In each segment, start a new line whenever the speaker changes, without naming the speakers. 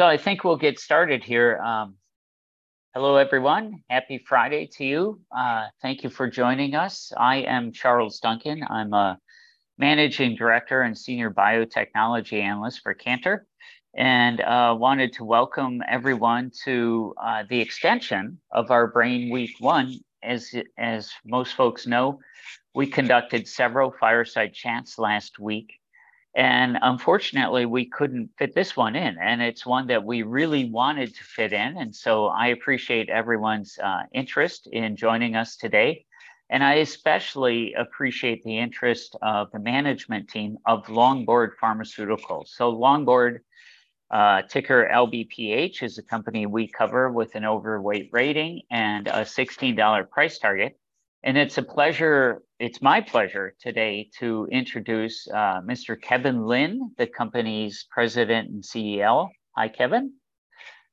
I think we'll get started here. Hello, everyone. Happy Friday to you. Thank you for joining us. I am Charles Duncan. I'm a Managing Director and Senior Biotechnology Analyst for Cantor, and wanted to welcome everyone to the extension of our Brain Week one. As most folks know, we conducted several fireside chats last week, and unfortunately, we couldn't fit this one in, and it's one that we really wanted to fit in. I appreciate everyone's interest in joining us today, and I especially appreciate the interest of the management team of Longboard Pharmaceuticals. Longboard, ticker LBPH, is a company we cover with an overweight rating and a $16 price target, and it's my pleasure today to introduce Mr. Kevin Lind, the company's President and CEO. Hi, Kevin.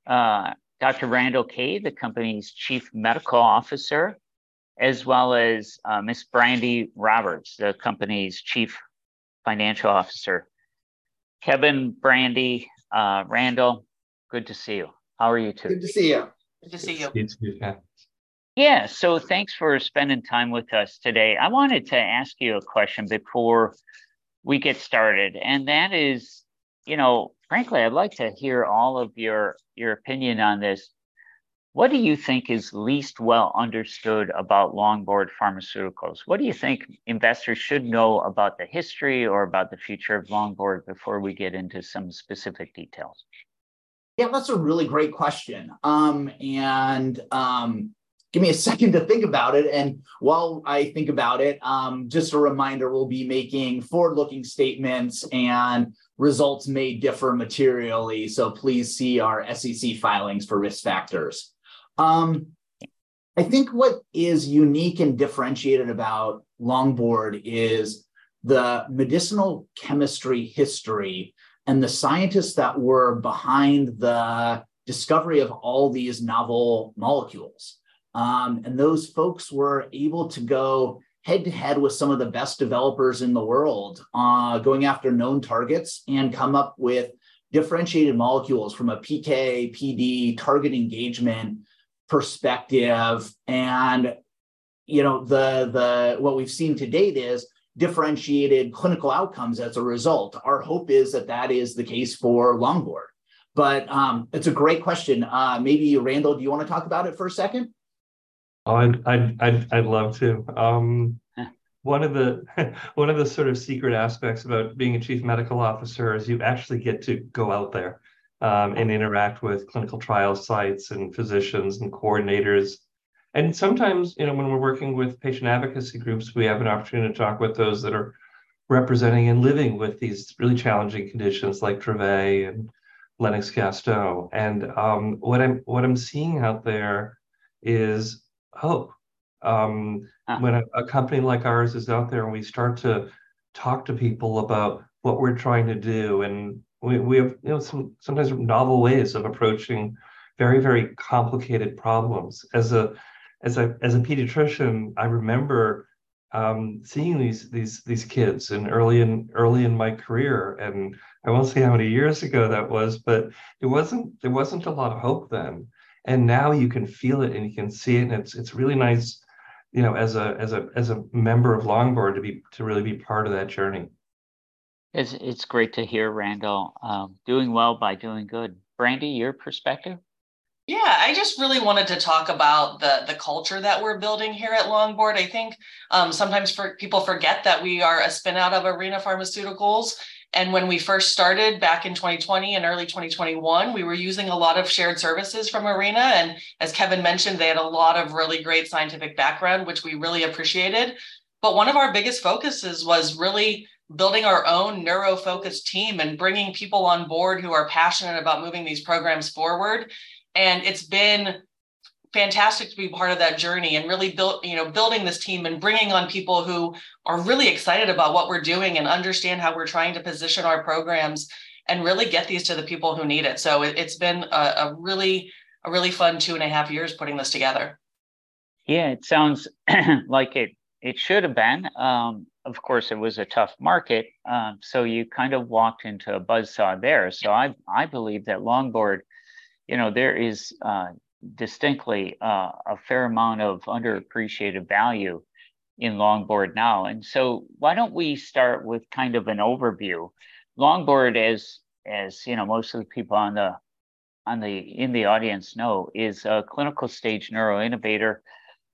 Dr. Randall Kaye, the company's Chief Medical Officer, as well as Ms. Brandi Roberts, the company's Chief Financial Officer. Kevin, Brandi, Randall, good to see you. How are you today?
Good to see you.
Good to see you.
It's good to be back.
Yeah. Thanks for spending time with us today. I wanted to ask you a question before we get started, and that is, you know, frankly, I'd like to hear all of your opinion on this. What do you think is least well understood about Longboard Pharmaceuticals? What do you think investors should know about the history or about the future of Longboard before we get into some specific details?
Yeah, that's a really great question. Give me a second to think about it, while I think about it, just a reminder, we'll be making forward-looking statements, results may differ materially, please see our SEC filings for risk factors. I think what is unique and differentiated about Longboard is the medicinal chemistry history and the scientists that were behind the discovery of all these novel molecules. Those folks were able to go head-to-head with some of the best developers in the world, going after known targets, come up with differentiated molecules from a PK/PD target engagement perspective. You know, what we've seen to date is differentiated clinical outcomes as a result. Our hope is that that is the case for Longboard. It's a great question. Maybe, Randall, do you want to talk about it for a second?
Oh, I'd love to.
Yeah...
one of the sort of secret aspects about being a chief medical officer is you actually get to go out there and interact with clinical trial sites, and physicians, and coordinators. Sometimes, you know, when we're working with patient advocacy groups, we have an opportunity to talk with those that are representing and living with these really challenging conditions, like Dravet and Lennox-Gastaut. What I'm seeing out there is hope.
Yeah...
when a company like ours is out there, we start to talk to people about what we're trying to do, we have, you know, sometimes novel ways of approaching very complicated problems. As a pediatrician, I remember seeing these kids early in my career, I won't say how many years ago that was, there wasn't a lot of hope then. Now you can feel it, and you can see it's really nice, you know, as a member of Longboard, to really be part of that journey.
It's great to hear, Randall. Doing well by doing good. Brandi, your perspective?
Yeah, I just really wanted to talk about the culture that we're building here at Longboard. I think sometimes for people forget that we are a spin-out of Arena Pharmaceuticals. When we first started back in 2020 and early 2021, we were using a lot of shared services from Arena. As Kevin Lind mentioned, they had a lot of really great scientific background, which we really appreciated. One of our biggest focuses was really building our own neuro-focused team and bringing people on board who are passionate about moving these programs forward. It's been fantastic to be part of that journey and really, you know, building this team and bringing on people who are really excited about what we're doing and understand how we're trying to position our programs and really get these to the people who need it. It's been a really fun two and a half years putting this together.
Yeah, it sounds like it should have been. Of course, it was a tough market, you kind of walked into a buzz saw there. I believe that Longboard, you know, there is distinctly a fair amount of underappreciated value in Longboard now, why don't we start with kind of an overview? Longboard as, you know, most of the people on the in the audience know, is a clinical stage neuroinnovator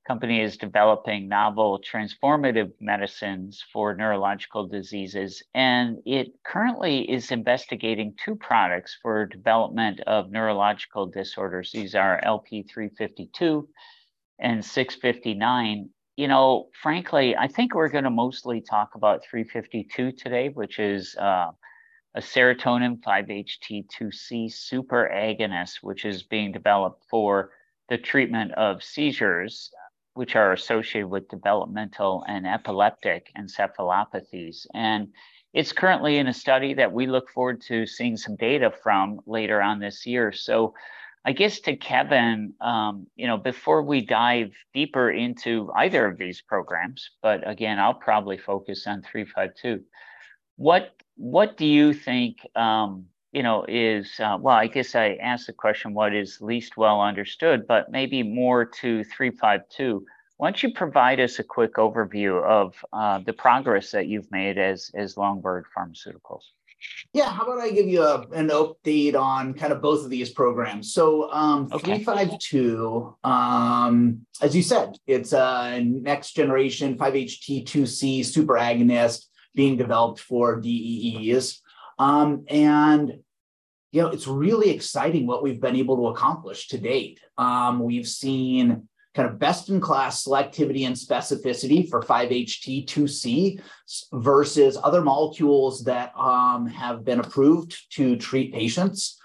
company that's developing novel transformative medicines for neurological diseases, it currently is investigating two products for development of neurological disorders. These are LP352 and LP659. You know, frankly, I think we're gonna mostly talk about LP352 today, which is a serotonin 5-HT2C superagonist, which is being developed for the treatment of seizures, which are associated with Developmental and Epileptic Encephalopathies. It's currently in a study that we look forward to seeing some data from later on this year. I guess to Kevin Lind, you know, before we dive deeper into either of these programs, but again, I'll probably focus on LP352, what do you think, you know, is... Well, I guess I asked the question, what is least well understood, but maybe more to LP352. Why don't you provide us a quick overview of the progress that you've made as Longboard Pharmaceuticals?
Yeah. How about I give you an update on kind of both of these programs?
Okay.
LP352, as you said, it's a next generation 5-HT2C superagonist being developed for DEEs. You know, it's really exciting what we've been able to accomplish to date. We've seen kind of best-in-class selectivity and specificity for 5-HT2C versus other molecules that have been approved to treat patients.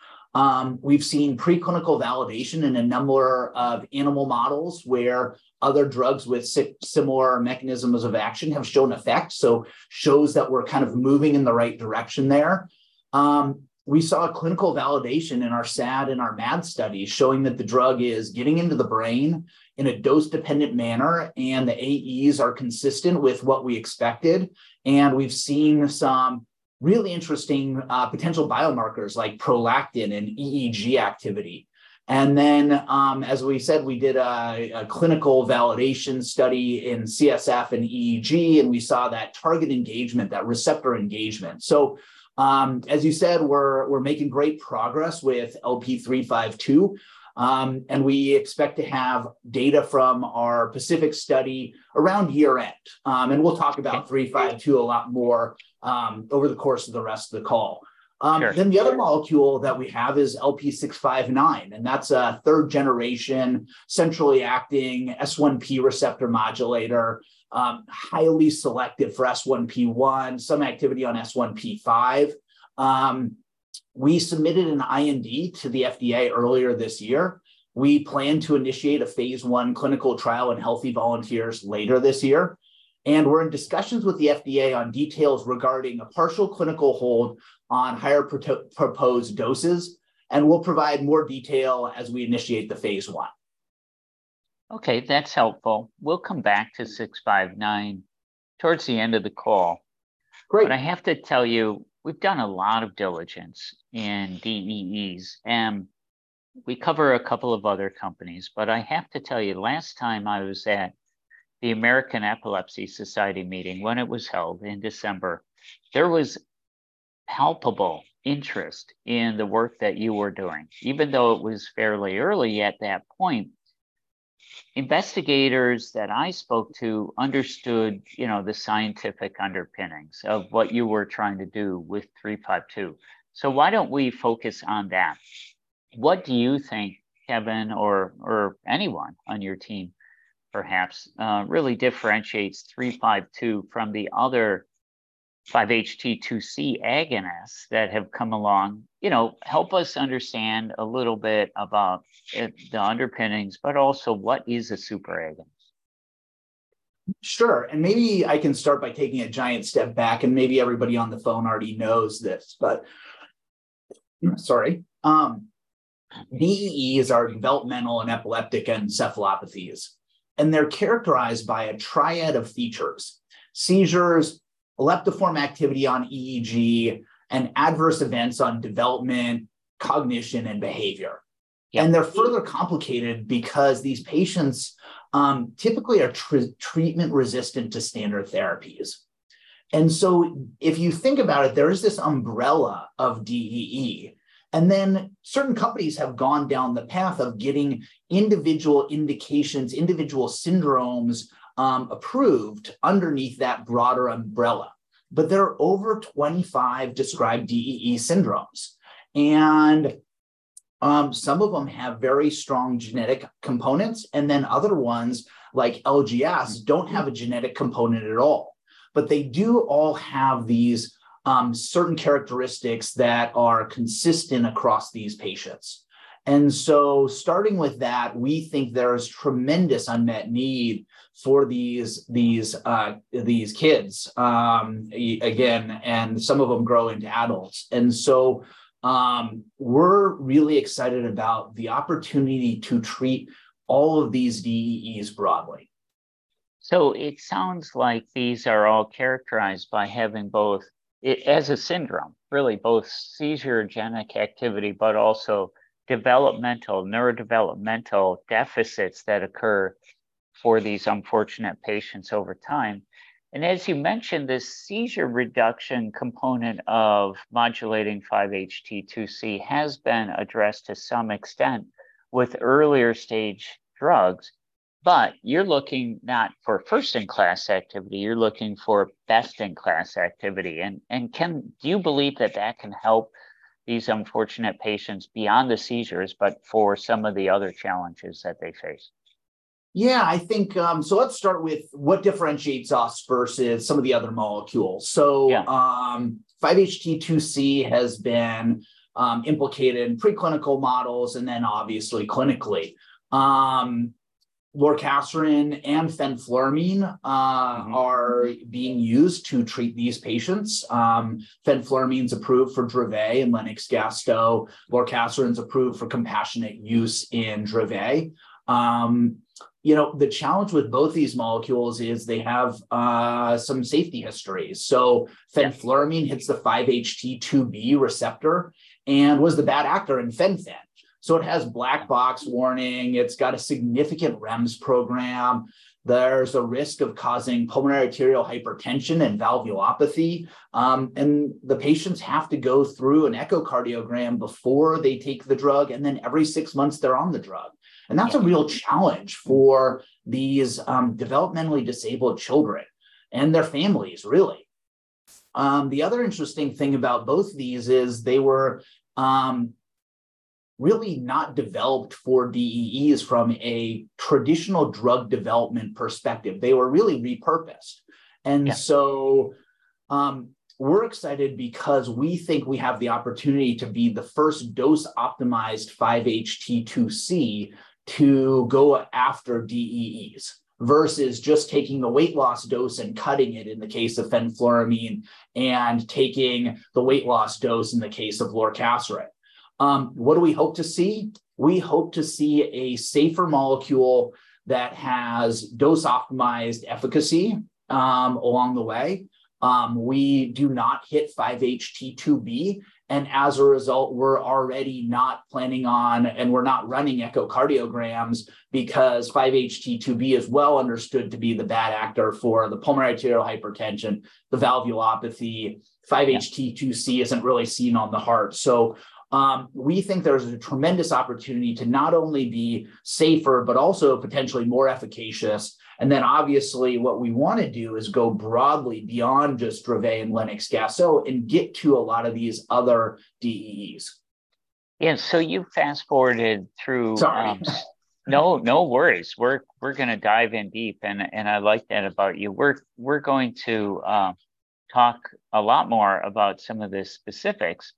We've seen preclinical validation in a number of animal models where other drugs with similar mechanisms of action have shown effect, so shows that we're kind of moving in the right direction there. We saw a clinical validation in our SAD and our MAD studies, showing that the drug is getting into the brain in a dose-dependent manner, and the AEs are consistent with what we expected. We've seen some really interesting potential biomarkers, like prolactin and EEG activity. As we said, we did a clinical validation study in CSF and EEG, and we saw that target engagement, that receptor engagement. As you said, we're making great progress with LP352, and we expect to have data from our PACIFIC study around year-end. We'll talk about 352 a lot more over the course of the rest of the call.
Sure.
The other molecule that we have is LP659, and that's a third-generation, centrally acting S1P receptor modulator, highly selective for S1P1, some activity on S1P5. We submitted an IND to the FDA earlier this year. We plan to initiate a Phase 1 clinical trial in healthy volunteers later this year, and we're in discussions with the FDA on details regarding a partial clinical hold on higher proposed doses, and we'll provide more detail as we initiate the Phase 1.
Okay, that's helpful. We'll come back to 659 towards the end of the call.
Great.
I have to tell you, we've done a lot of diligence in DEEs, and we cover a couple of other companies. I have to tell you, last time I was at the American Epilepsy Society meeting, when it was held in December, there was palpable interest in the work that you were doing, even though it was fairly early at that point. Investigators that I spoke to understood, you know, the scientific underpinnings of what you were trying to do with LP352. Why don't we focus on that? What do you think, Kevin, or anyone on your team, perhaps, really differentiates LP352 from the other 5-HT2C agonists that have come along? You know, help us understand a little bit about it, the underpinnings, but also, what is a superagonist?
Sure, maybe I can start by taking a giant step back, and maybe everybody on the phone already knows this, but... Sorry. DEEs are developmental and epileptic encephalopathies, and they're characterized by a triad of features: seizures, epileptiform activity on EEG, and adverse events on development, cognition, and behavior.
Yeah.
They're further complicated because these patients typically are treatment resistant to standard therapies. If you think about it, there is this umbrella of DEE, and then certain companies have gone down the path of getting individual indications, individual syndromes approved underneath that broader umbrella. There are over 25 described DEE syndromes, and some of them have very strong genetic components, and then other ones, like LGS, don't have a genetic component at all. They do all have these certain characteristics that are consistent across these patients. Starting with that, we think there is tremendous unmet need for these kids again, and some of them grow into adults. We're really excited about the opportunity to treat all of these DEEs broadly.
It sounds like these are all characterized by having both as a syndrome, really, both seizure-genic activity, but also developmental, neurodevelopmental deficits that occur for these unfortunate patients over time. As you mentioned, the seizure reduction component of modulating 5-HT2C has been addressed to some extent with earlier-stage drugs, but you're looking not for first-in-class activity, you're looking for best-in-class activity. Do you believe that that can help these unfortunate patients beyond the seizures, but for some of the other challenges that they face?
Yeah, I think, let's start with what differentiates us versus some of the other molecules.
Yeah.
5-HT2C has been implicated in preclinical models, and then obviously clinically. lorcaserin and fenfluramine are being used to treat these patients. fenfluramine's approved for Dravet and Lennox-Gastaut. lorcaserin's approved for compassionate use in Dravet. You know, the challenge with both these molecules is they have some safety histories. fenfluramine hits the 5-HT2B receptor, and was the bad actor in fen-phen. It has boxed warning, it's got a significant REMS program. There's a risk of causing pulmonary arterial hypertension and valvulopathy, and the patients have to go through an echocardiogram before they take the drug, and then every six months they're on the drug.
Yeah.
That's a real challenge for these developmentally disabled children, and their families, really. The other interesting thing about both of these is they were really not developed for DEEs from a traditional drug development perspective. They were really repurposed.
Yeah.
We're excited because we think we have the opportunity to be the first dose-optimized 5-HT2C to go after DEEs, versus just taking the weight loss dose and cutting it, in the case of fenfluramine, and taking the weight loss dose in the case of lorcaserin. What do we hope to see? We hope to see a safer molecule that has dose-optimized efficacy along the way. We do not hit 5-HT2B, and as a result, we're already not planning on, and we're not running echocardiograms, because 5-HT2B is well understood to be the bad actor for the pulmonary arterial hypertension, the valvulopathy.
Yeah.
5-HT2C isn't really seen on the heart. We think there's a tremendous opportunity to not only be safer, but also potentially more efficacious. Obviously, what we want to do is go broadly beyond just Dravet and Lennox-Gastaut, and get to a lot of these other DEEs.
You fast-forwarded through
Sorry
No worries. We're gonna dive in deep, and I like that about you. We're going to talk a lot more about some of the specifics.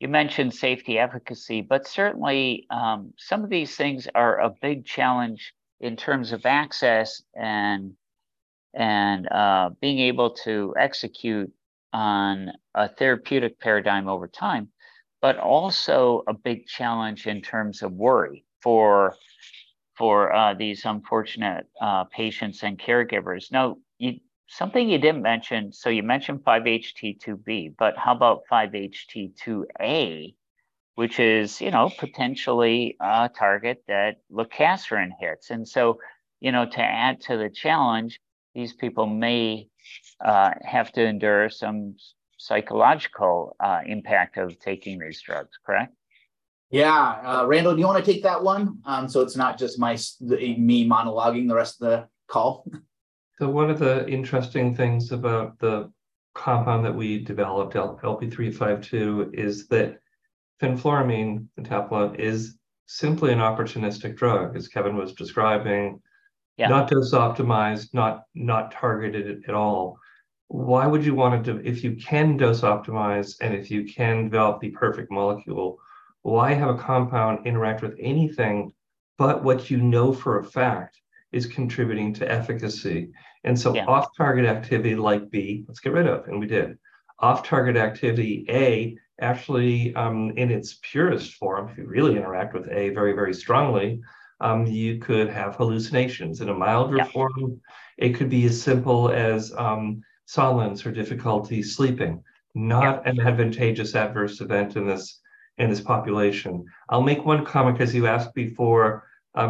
You mentioned safety efficacy, but certainly, some of these things are a big challenge in terms of access and being able to execute on a therapeutic paradigm over time, but also a big challenge in terms of worry for these unfortunate patients and caregivers. Something you didn't mention, so you mentioned 5-HT2B, but how about 5-HT2A, which is, you know, potentially a target that lorcaserin hits. So, you know, to add to the challenge, these people may have to endure some psychological impact of taking these drugs, correct?
Yeah. Randall, do you want to take that one? It's not just me monologuing the rest of the call.
One of the interesting things about the compound that we developed, LP352, is that fenfluramine, the tablet, is simply an opportunistic drug, as Kevin was describing.
Yeah.
Not dose-optimized, not targeted at all. If you can dose-optimize, and if you can develop the perfect molecule, why have a compound interact with anything but what you know for a fact is contributing to efficacy?
Yeah.
Off-target activity like B, let's get rid of, and we did. Off-target activity A, actually, in its purest form, if you really interact with A very, very strongly, you could have hallucinations.
Yeah.
In a milder form, it could be as simple as silence or difficulty sleeping.
Yeah.
Not an advantageous adverse event in this, in this population. I'll make one comment, 'cause you asked before,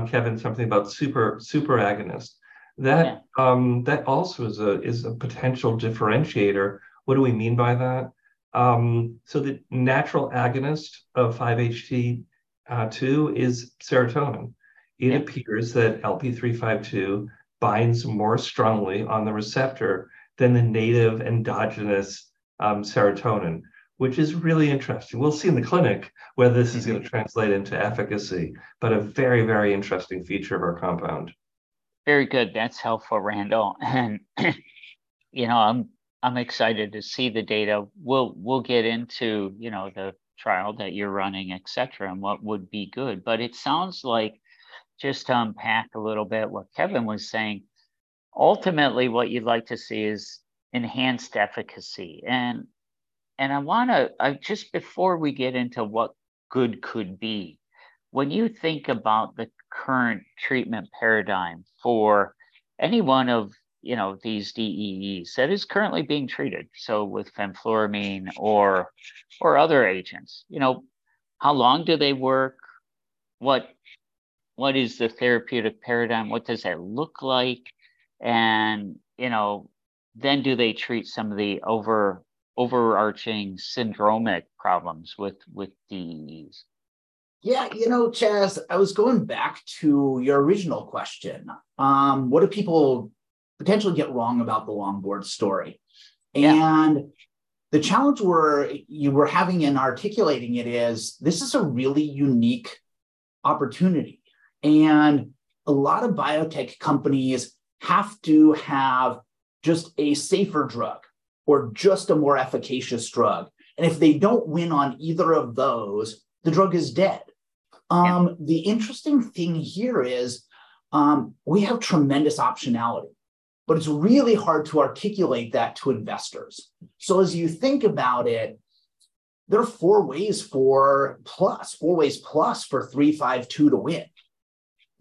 Kevin, something about superagonist.
Yeah.
That also is a potential differentiator. What do we mean by that? The natural agonist of 5-HT2 is serotonin.
Yeah.
It appears that LP352 binds more strongly on the receptor than the native endogenous, serotonin, which is really interesting. We'll see in the clinic whether this is.
Yeah
gonna translate into efficacy, but a very, very interesting feature of our compound.
Very good. That's helpful, Randall. You know, I'm excited to see the data. We'll get into, you know, the trial that you're running, et cetera, and what would be good. It sounds like, just to unpack a little bit what Kevin was saying, ultimately, what you'd like to see is enhanced efficacy. Just before we get into what good could be, when you think about the current treatment paradigm for any one of, you know, these DEEs that is currently being treated, so with fenfluramine or other agents, you know, how long do they work? What is the therapeutic paradigm? What does that look like? You know, then do they treat some of the overarching syndromic problems with DEEs?
Yeah, you know, Chas, I was going back to your original question, what do people potentially get wrong about the Longboard story?
Yeah.
The challenge you were having in articulating it is, this is a really unique opportunity, and a lot of biotech companies have to have just a safer drug. Just a more efficacious drug. If they don't win on either of those, the drug is dead.
Yeah.
The interesting thing here is, we have tremendous optionality, but it's really hard to articulate that to investors. As you think about it, there are four ways plus for 352 to win.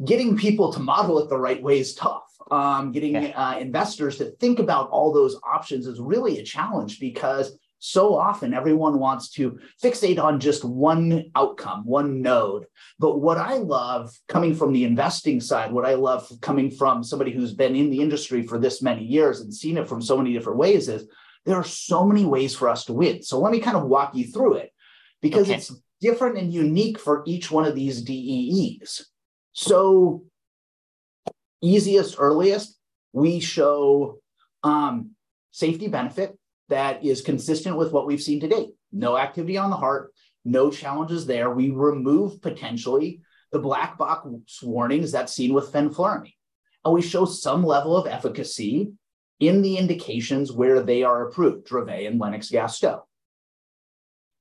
Getting people to model it the right way is tough.
Yeah...
getting, investors to think about all those options is really a challenge because so often everyone wants to fixate on just one outcome, one node. What I love, coming from the investing side, what I love coming from somebody who's been in the industry for this many years and seen it from so many different ways is, there are so many ways for us to win. Let me kind of walk you through it.
Okay
because it's different and unique for each one of these DEEs. Easiest, earliest, we show safety benefit that is consistent with what we've seen to date. No activity on the heart, no challenges there. We remove potentially the black box warnings that's seen with fenfluramine, we show some level of efficacy in the indications where they are approved, Dravet and Lennox-Gastaut.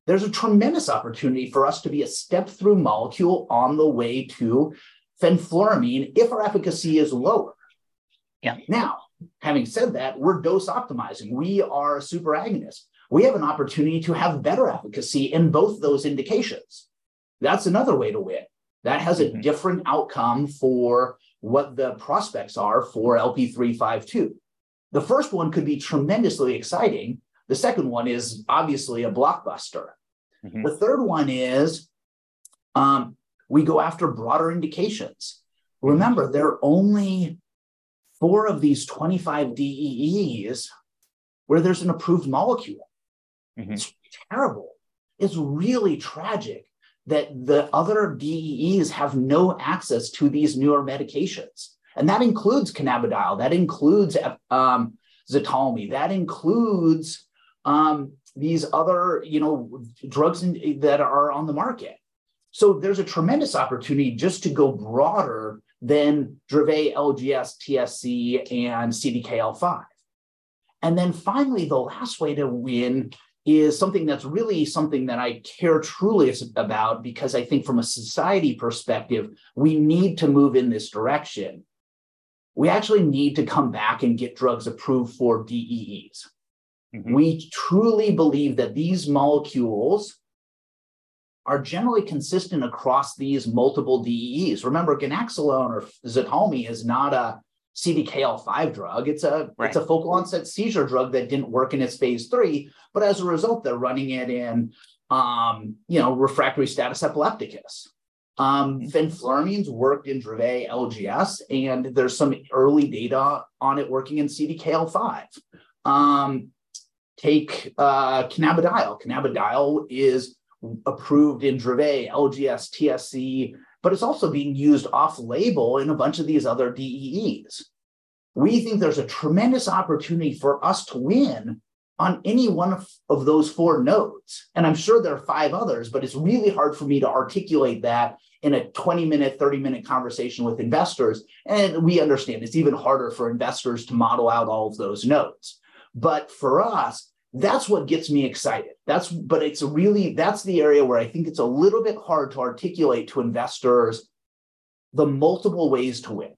There's a tremendous opportunity for us to be a step-through molecule on the way to fenfluramine if our efficacy is lower.
Yeah.
Now, having said that, we're dose-optimizing. We are a superagonist. We have an opportunity to have better efficacy in both those indications. That's another way to win.
Mm-hmm.
That has a different outcome for what the prospects are for LP352. The first one could be tremendously exciting. The second one is obviously a blockbuster.
Mm-hmm.
The third one is, we go after broader indications.
Mm-hmm.
Remember, there are only four of these 25 DEEs where there's an approved molecule.
Mm-hmm.
It's terrible. It's really tragic that the other DEEs have no access to these newer medications, that includes cannabidiol, that includes EPIDIOLEX, that includes these other, you know, drugs that are on the market. There's a tremendous opportunity just to go broader than Dravet, LGS, TSC, and CDKL5. Finally, the last way to win is something that's really something that I care truly about because I think from a society perspective, we need to move in this direction. We actually need to come back and get drugs approved for DEEs.
Mm-hmm.
We truly believe that these molecules are generally consistent across these multiple DEEs. Remember, ganaxolone or EPIDIOLEX is not a CDKL5 drug. It's a-
Right...
it's a focal-onset seizure drug that didn't work in its phase III, but as a result, they're running it in, you know, refractory status epilepticus. Fenfluramine's worked in Dravet, LGS, and there's some early data on it working in CDKL5. Take cannabidiol. Cannabidiol is approved in Dravet, LGS, TSC, but it's also being used off-label in a bunch of these other DEEs. We think there's a tremendous opportunity for us to win on any one of those 4 nodes, and I'm sure there are 5 others, but it's really hard for me to articulate that in a 20-minute, 30-minute conversation with investors. We understand, it's even harder for investors to model out all of those nodes. For us, that's what gets me excited. That's... It's really, that's the area where I think it's a little bit hard to articulate to investors the multiple ways to win.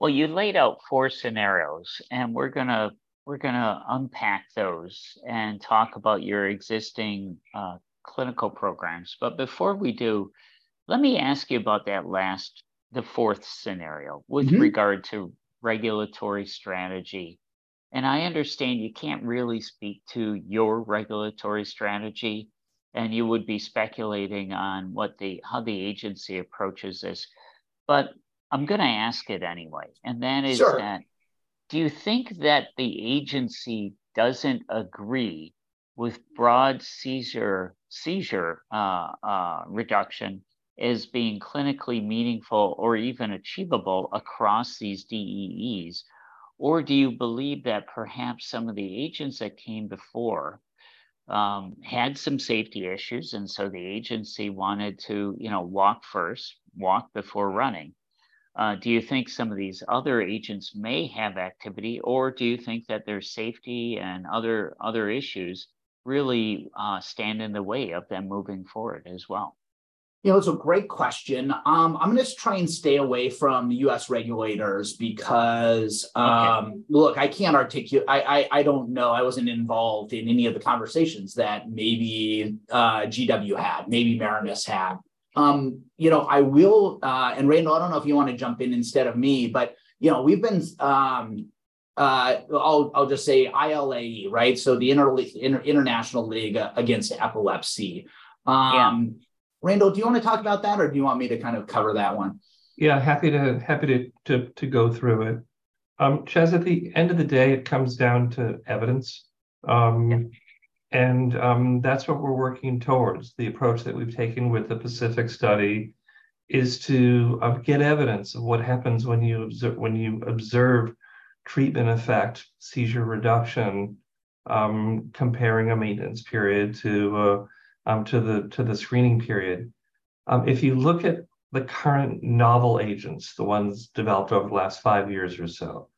Well, you laid out four scenarios, and we're gonna unpack those and talk about your existing, clinical programs. Before we do, let me ask you about the fourth scenario.
Mm-hmm...
with regard to regulatory strategy. I understand you can't really speak to your regulatory strategy, and you would be speculating on how the agency approaches this, but I'm gonna ask it anyway. That is.
Sure...
do you think that the agency doesn't agree with broad seizure reduction as being clinically meaningful or even achievable across these DEEs? Do you believe that perhaps some of the agents that came before had some safety issues, and so the agency wanted to, you know, walk first, walk before running? Do you think some of these other agents may have activity, or do you think that their safety and other issues really stand in the way of them moving forward as well?
You know, it's a great question. I'm gonna try and stay away from the U.S. regulators because...
Okay
look, I can't articulate, I don't know. I wasn't involved in any of the conversations that maybe GW had, maybe Marinus had.
Mm-hmm.
You know, I will... Randall, I don't know if you want to jump in instead of me, but, you know, we've been, I'll just say ILAE, right? The International League Against Epilepsy.
Yeah.
Randall, do you want to talk about that, or do you want me to kind of cover that one?
Yeah, happy to go through it. Chas, at the end of the day, it comes down to evidence.
Yeah
That's what we're working towards. The approach that we've taken with the PACIFIC study is to get evidence of what happens when you observe treatment effect, seizure reduction, comparing a maintenance period to the screening period. If you look at the current novel agents, the ones developed over the last five years or so,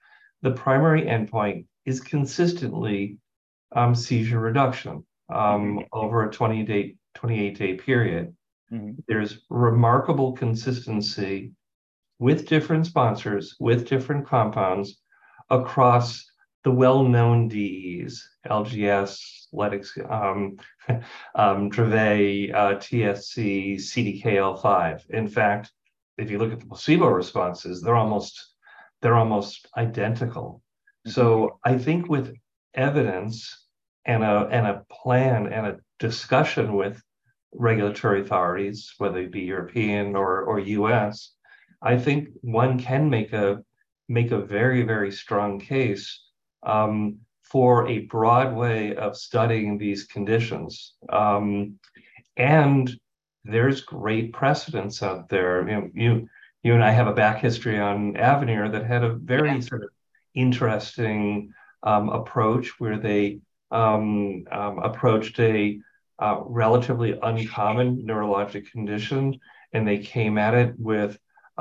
the primary endpoint is consistently, seizure reduction, over a 20-day, 28-day period.
Mm-hmm.
There's remarkable consistency with different sponsors, with different compounds across the well-known DEEs, LGS, Lennox, Dravet, TSC, CDKL5. In fact, if you look at the placebo responses, they're almost identical.
Mm.
I think with evidence, and a plan, and a discussion with regulatory authorities, whether it be European or US, I think one can make a very strong case, for a broad way of studying these conditions. There's great precedence out there. You know, you and I have a back history on Avanir that had.
Yeah...
very sort of interesting approach, where they approached a relatively uncommon neurologic condition, and they came at it with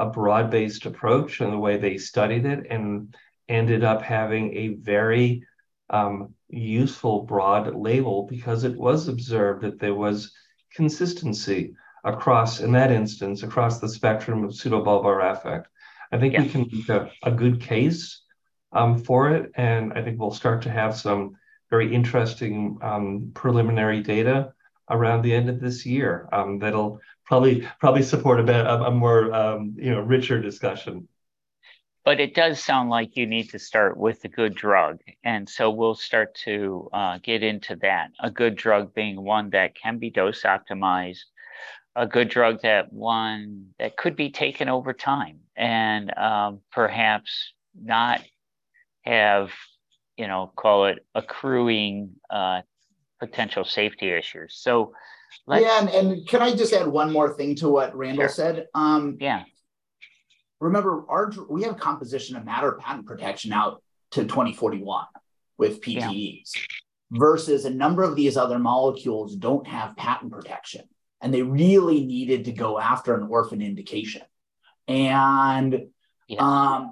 a broad-based approach in the way they studied it, and ended up having a very useful broad label. It was observed that there was consistency across, in that instance, across the spectrum of pseudobulbar affect.
Yeah.
I think we can make a good case, for it, and I think we'll start to have some very interesting, preliminary data around the end of this year, that'll probably support a bit of a more, you know, richer discussion.
It does sound like you need to start with a good drug, and so we'll start to get into that. A good drug being one that can be dose-optimized, a good drug that could be taken over time, and perhaps not have, you know, call it accruing, potential safety issues.
Yeah, can I just add one more thing to what Randall said?
Sure. Yeah.
Remember, we have composition of matter patent protection out to 2041 with PTEs.
Yeah...
versus a number of these other molecules don't have patent protection, they really needed to go after an orphan indication.
Yeah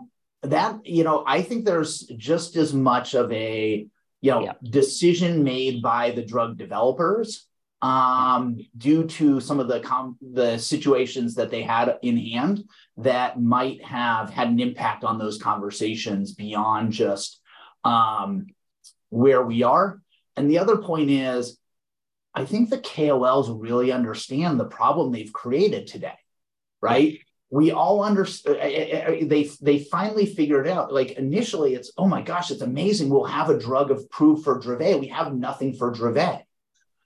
that, you know, I think there's just as much of a.
Yeah...
decision made by the drug developers, due to some of the situations that they had in hand, that might have had an impact on those conversations beyond just, where we are. The other point is, I think the KOLs really understand the problem they've created today, right?
Mm.
They finally figured out, like, initially, it's, "Oh, my gosh, it's amazing. We'll have a drug approved for Dravet. We have nothing for Dravet.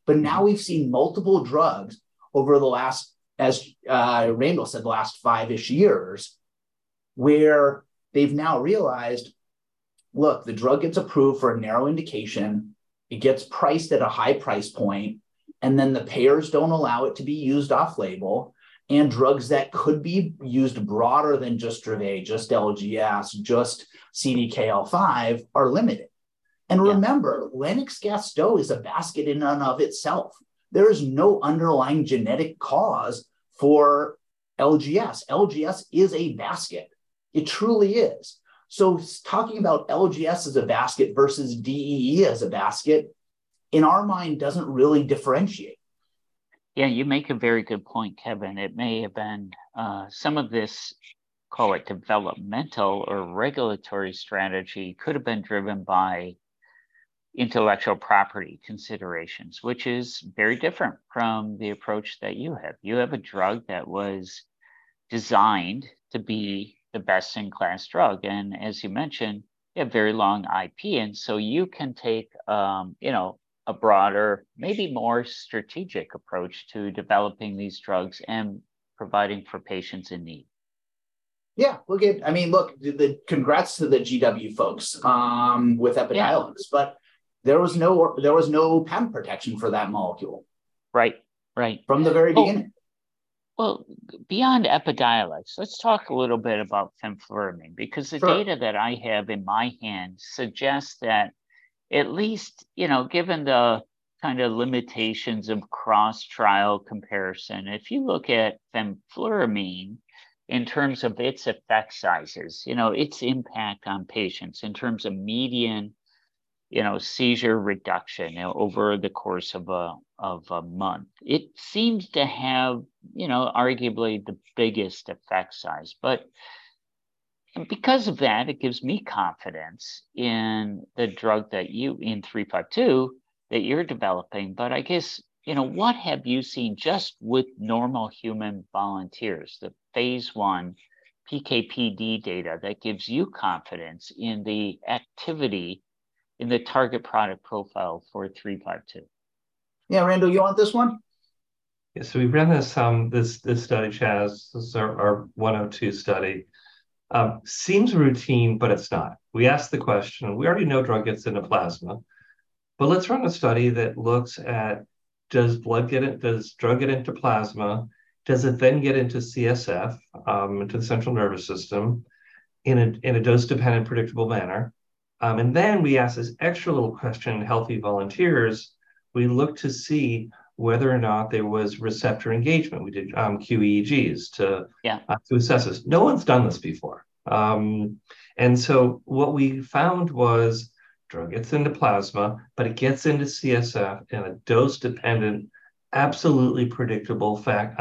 Mm.
Now we've seen multiple drugs over the last, as Randall said, the last five-ish years, where they've now realized, look, the drug gets approved for a narrow indication, it gets priced at a high price point, and then the payers don't allow it to be used off-label, and drugs that could be used broader than just Dravet, just LGS, just CDKL5, are limited.
Yeah.
Remember, Lennox-Gastaut is a basket in and of itself. There is no underlying genetic cause for LGS. LGS is a basket. It truly is. Talking about LGS as a basket versus DEE as a basket, in our mind, doesn't really differentiate.
Yeah, you make a very good point, Kevin. It may have been some of this, call it, developmental or regulatory strategy could have been driven by intellectual property considerations, which is very different from the approach that you have. You have a drug that was designed to be the best-in-class drug, and as you mentioned, a very long IP. You can take, you know, a broader, maybe more strategic approach to developing these drugs and providing for patients in need.
Yeah, I mean, look, the congrats to the GW folks with EPIDIOLEX…
Yeah...
but there was no patent protection for that molecule.
Right. Right.
From the very beginning.
Well, beyond EPIDIOLEX, let's talk a little bit about fenfluramine.
Sure.
The data that I have in my hand suggests that at least, you know, given the kind of limitations of cross-trial comparison, if you look at fenfluramine in terms of its effect sizes, you know, its impact on patients in terms of median, you know, seizure reduction over the course of a month, it seems to have, you know, arguably the biggest effect size. Because of that, it gives me confidence in the drug that you, in 3.2, that you're developing. I guess, you know, what have you seen just with normal human volunteers, the Phase 1 PK/PD data, that gives you confidence in the activity in the target product profile for 3.2?
Yeah, Randall, you want this one?
Yeah. We ran this study, Chaz. This is our 102 study. Seems routine, it's not. We asked the question, we already know drug gets into plasma, but let's run a study that looks at, does drug get into plasma? Does it then get into CSF, into the central nervous system, in a dose-dependent, predictable manner?... We asked this extra little question in healthy volunteers. We looked to see whether or not there was receptor engagement. We did qEEGs.
Yeah
-to assess this. No one's done this before. What we found was, drug gets into plasma, but it gets into CSF in a dose-dependent, absolutely predictable fact,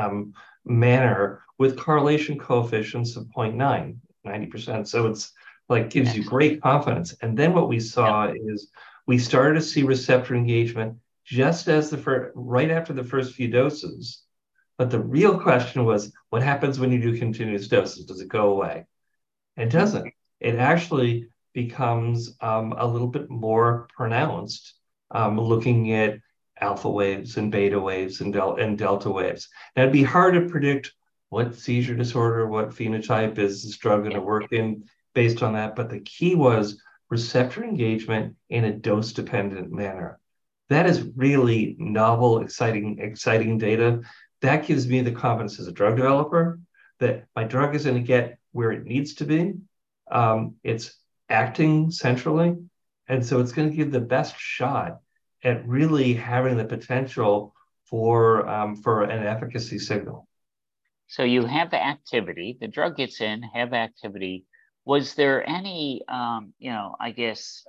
manner, with correlation coefficients of 0.9, 90%. It's, like, gives you.
Yeah
great confidence. What we saw is, we started to see receptor engagement just right after the first few doses. The real question was: What happens when you do continuous doses? Does it go away? It doesn't. It actually becomes a little bit more pronounced, looking at alpha waves and beta waves, and delta waves. That'd be hard to predict what seizure disorder, what phenotype is this drug going to work in based on that, the key was receptor engagement in a dose-dependent manner. That is really novel, exciting data. That gives me the confidence as a drug developer that my drug is going to get where it needs to be. It's acting centrally, it's going to give the best shot at really having the potential for an efficacy signal.
You have the activity, the drug gets in, have activity. Was there any, you know, I guess,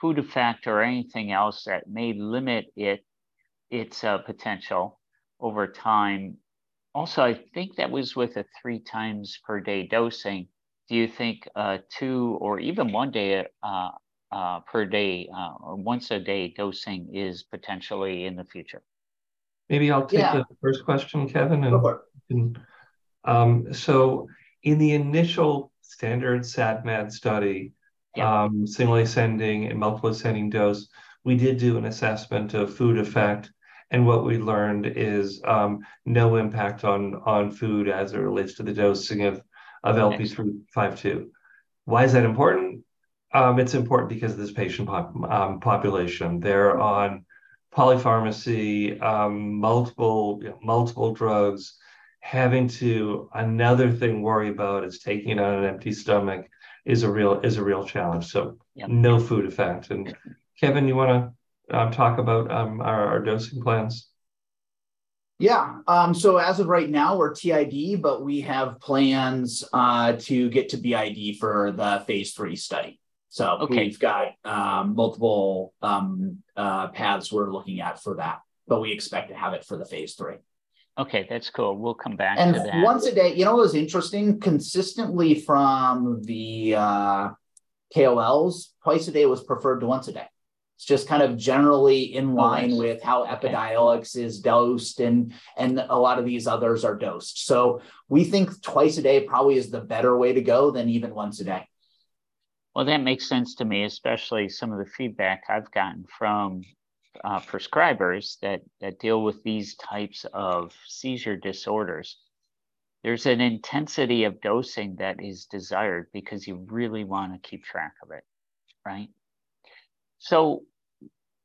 food effect or anything else that may limit its potential over time? I think that was with a 3 times per day dosing. Do you think, 2 or even 1 day, per day, or once-a-day dosing is potentially in the future?
Maybe I'll take-
Yeah
the first question, Kevin.
Go for it.
In the initial standard SATMAD study.
Yeah...
singly ascending and multiple-ascending dose, we did do an assessment of food effect, and what we learned is, no impact on food as it relates to the dosing of LP352.
Nice.
Why is that important? It's important because of this patient population. They're on polypharmacy, multiple drugs. Having to another thing worry about is taking it on an empty stomach is a real challenge.
Yeah
no food effect.
Yeah.
Kevin, you want to, talk about, our dosing plans?
Yeah, as of right now, we're TID, but we have plans to get to BID for the phase III study.
Okay...
we've got, multiple, paths we're looking at for that, but we expect to have it for the Phase 3.
Okay, that's cool. We'll come back to that.
Once a day, you know what was interesting? Consistently from the KOLs, twice a day was preferred to once a day. It's just kind of generally in line...
Nice
with how EPIDIOLEX is dosed, and a lot of these others are dosed. We think twice a day probably is the better way to go than even once a day.
Well, that makes sense to me, especially some of the feedback I've gotten from prescribers that deal with these types of seizure disorders. There's an intensity of dosing that is desired because you really want to keep track of it, right?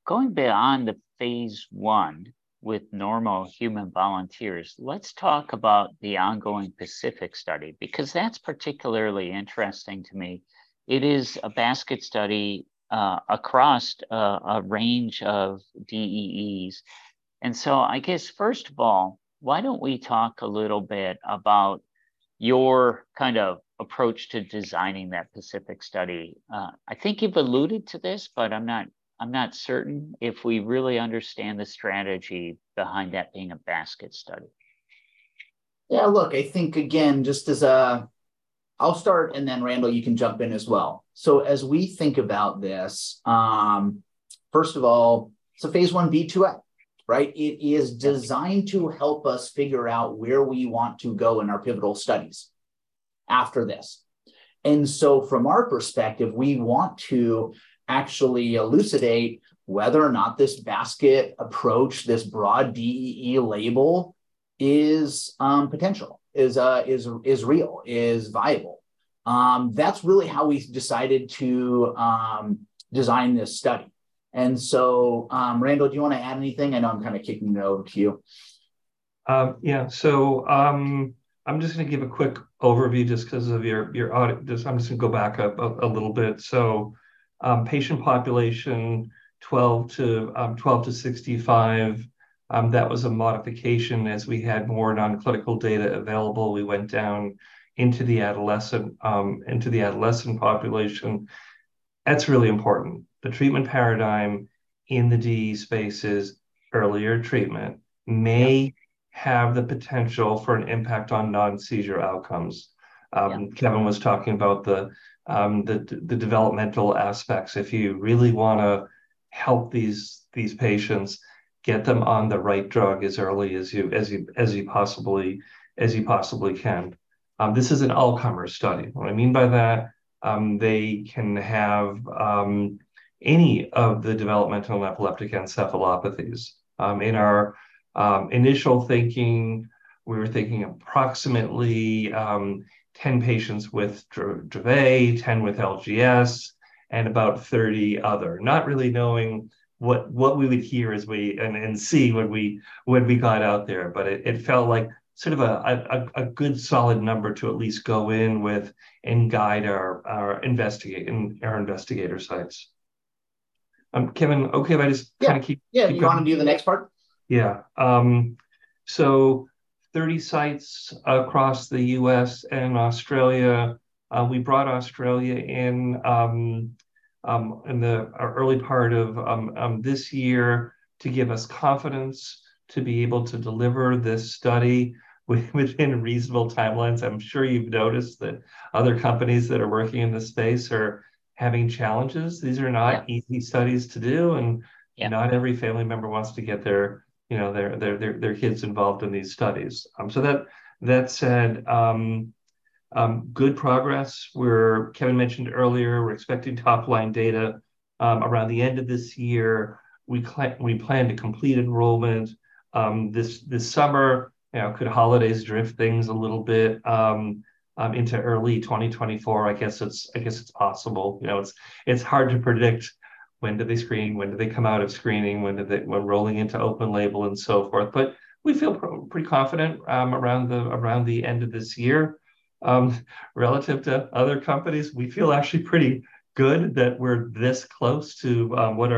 Going beyond the Phase 1 with normal human volunteers, let's talk about the ongoing PACIFIC study, because that's particularly interesting to me. It is a basket study across a range of DEEs. I guess, first of all, why don't we talk a little bit about your kind of approach to designing that PACIFIC study? I think you've alluded to this, but I'm not certain if we really understand the strategy behind that being a basket study.
Yeah, look, I think, again, just as a... I'll start, and then, Randall, you can jump in as well. As we think about this, first of all, it's a phase 1b/2a, right?
Yeah...
designed to help us figure out where we want to go in our pivotal studies after this. From our perspective, we want to actually elucidate whether or not this basket approach, this broad DEE label, is potential, is real, is viable. That's really how we decided to design this study. Randall, do you want to add anything? I know I'm kind of kicking it over to you.
I'm just going to give a quick overview. I'm just going to go back up a little bit. Patient population, 12-65, that was a modification. As we had more non-clinical data available, we went down into the adolescent population. That's really important. The treatment paradigm in the DE spaces, earlier treatment.
Yeah
have the potential for an impact on non-seizure outcomes.
Yeah.
Kevin was talking about the developmental aspects. If you really want to help these patients, get them on the right drug as early as you possibly can. This is an all-comer study. What I mean by that, they can have any of the developmental epileptic encephalopathies. In our initial thinking, we were thinking approximately 10 patients with Dravet, 10 with LGS, and about 30 other, not really knowing what we would hear and see when we got out there. It felt like sort of a good, solid number to at least go in with and guide our investigator sites. Kevin, okay if I?
Yeah
kind of keep going?
Yeah, you want to do the next part?
Yeah. 30 sites across the U.S. and Australia. We brought Australia in in the early part of this year to give us confidence to be able to deliver this study within reasonable timelines. I'm sure you've noticed that other companies that are working in this space are having challenges. These are not-
Yeah
easy studies to do.
Yeah
Not every family member wants to get their, you know, their kids involved in these studies. That said, good progress. Kevin mentioned earlier, we're expecting top-line data around the end of this year. We plan to complete enrollment this summer. You know, could holidays drift things a little bit into early 2024? I guess it's, I guess it's possible. You know, it's hard to predict when do they we're rolling into open-label, and so forth. We feel pretty confident around the end of this year. Relative to other companies, we feel actually pretty good that we're this close to what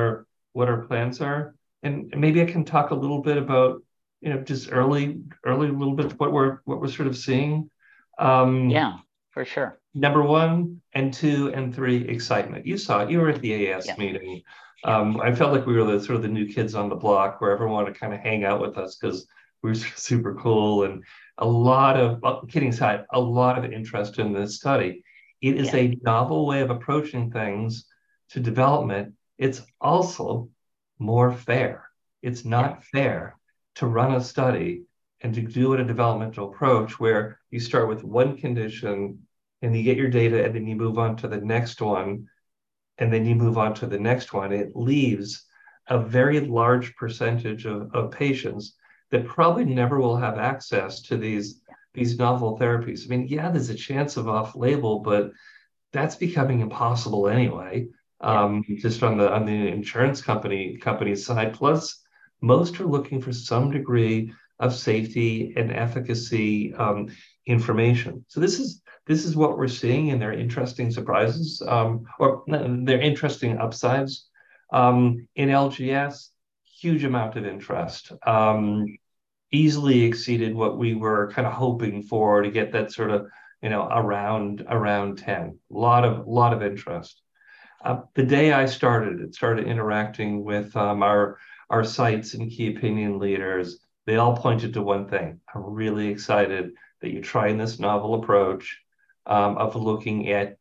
our plans are. Maybe I can talk a little bit about, you know, just early, a little bit what we're sort of seeing.
Yeah, for sure.
Number one, and two, and three, excitement. You saw it. You were at the AES meeting.
Yeah.
I felt like we were the sort of the new kids on the block, where everyone wanted to kind of hang out with us, 'cause we're super cool and well, kidding aside, a lot of interest in this study.
Yeah.
It is a novel way of approaching things to development. It's also more fair.
Yeah.
It's not fair to run a study to do it a developmental approach, where you start with one condition, you get your data, then you move on to the next one, then you move on to the next one. It leaves a very large percentage of patients that probably never will have access to these novel therapies. I mean, yeah, there's a chance of off-label, that's becoming impossible anyway.
Yeah...
just from the, on the insurance company side. Plus, most are looking for some degree of safety and efficacy information. This is what we're seeing, and they're interesting surprises, or they're interesting upsides. In LGS, huge amount of interest. Easily exceeded what we were kind of hoping for to get that sort of, you know, around 10. Lot of interest. The day I started and started interacting with our sites and key opinion leaders, they all pointed to one thing: "I'm really excited that you're trying this novel approach of looking at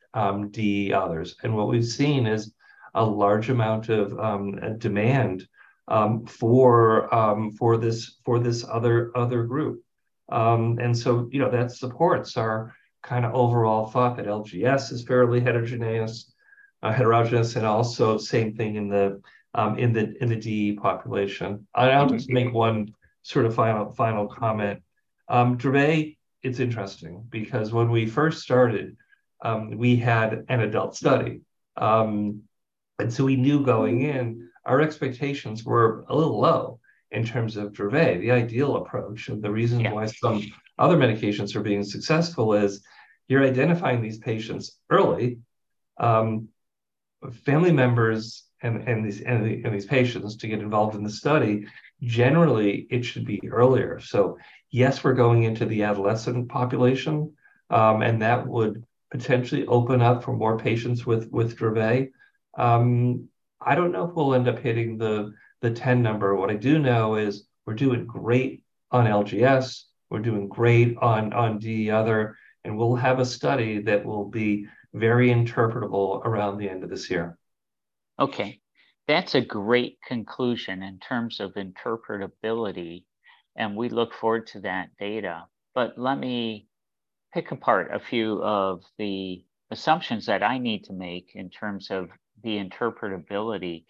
DEE others." What we've seen is a large amount of demand for this other group. You know, that supports our kind of overall thought that LGS is fairly heterogeneous, and also same thing in the, in the DEE population. I'll just make one sort of final comment. Dravet, it's interesting, because when we first started, we had an adult study. We knew going in, our expectations were a little low in terms of Dravet, the ideal approach.
Yeah.
The reason why some other medications are being successful is, you're identifying these patients early, family members and these patients to get involved in the study. Generally, it should be earlier. Yes, we're going into the adolescent population, and that would potentially open up for more patients with Dravet. I don't know if we'll end up hitting the 10 number. I do know is we're doing great on LGS, we're doing great on DEE other, and we'll have a study that will be very interpretable around the end of this year.
That's a great conclusion in terms of interpretability, we look forward to that data. Let me pick apart a few of the assumptions that I need to make in terms of the interpretability.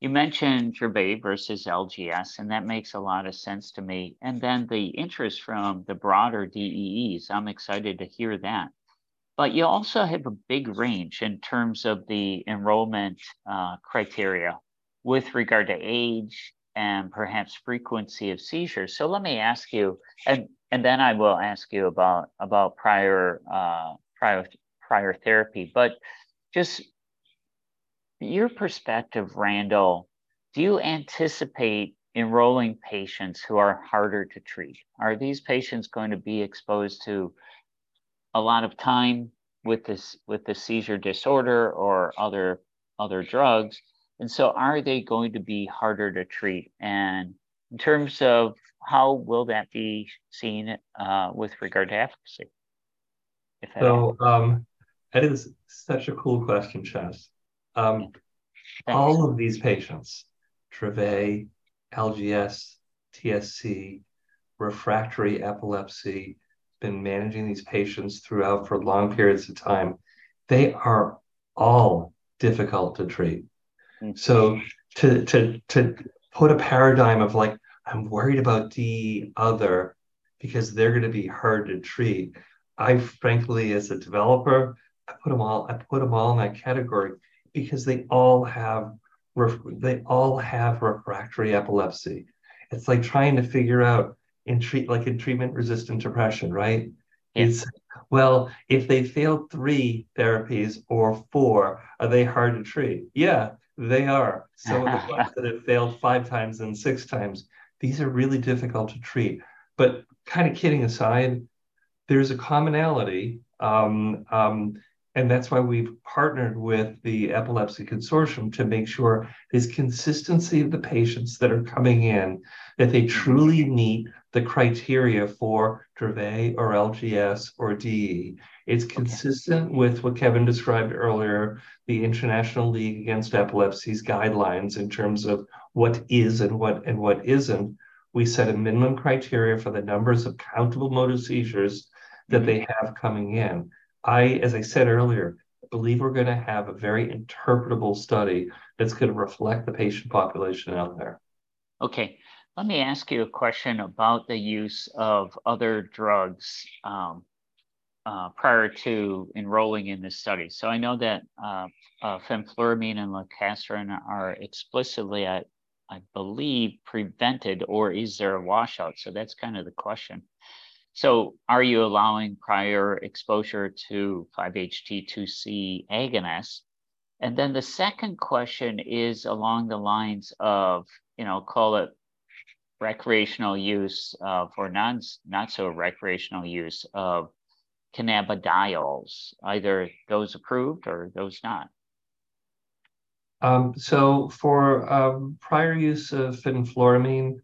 You mentioned Dravet versus LGS, that makes a lot of sense to me, and then the interest from the broader DEEs, I'm excited to hear that. You also have a big range in terms of the enrollment criteria with regard to age and perhaps frequency of seizures. Let me ask you, and then I will ask you about prior therapy. Just your perspective, Randall, do you anticipate enrolling patients who are harder to treat? Are these patients going to be exposed to a lot of time with the seizure disorder or other drugs? Are they going to be harder to treat? And in terms of how will that be seen, with regard to efficacy, if at all?
That is such a cool question, Chas.
Thank you.
all of these patients, Dravet, LGS, TSC, refractory epilepsy, been managing these patients throughout for long periods of time. They are all difficult to treat.
Mm.
To put a paradigm of like, I'm worried about DEE other, because they're gonna be hard to treat, I, frankly, as a developer, I put them all in my category because they all have refractory epilepsy. It's like trying to figure out in treatment-resistant depression, right?
Yeah.
If they failed 3 therapies or 4, are they hard to treat? Yeah, they are. The ones that have failed 5 times and 6 times, these are really difficult to treat. Kind of kidding aside, there's a commonality, and that's why we've partnered with the Epilepsy Study Consortium to make sure there's consistency of the patients that are coming in.
Mm-hmm
meet the criteria for Dravet, or LGS, or DEE. It's consistent with what Kevin described earlier, the International League Against Epilepsy's guidelines in terms of what is and what isn't. We set a minimum criteria for the numbers of countable motor seizures.
Mm-hmm
that they have coming in. I, as I said earlier, believe we're gonna have a very interpretable study that's gonna reflect the patient population out there.
Okay, let me ask you a question about the use of other drugs prior to enrolling in this study. I know that fenfluramine and lacosamide are explicitly, I believe, prevented, or is there a washout? That's kind of the question. Are you allowing prior exposure to 5-HT2C agonist? The second question is along the lines of, you know, call it recreational use for not so recreational use of cannabidiols, either those approved or those not.
Prior use of fenfluramine